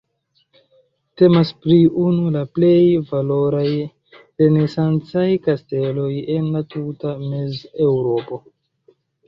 Temas pri unu la plej valoraj renesancaj kasteloj en la tuta Mezeŭropo.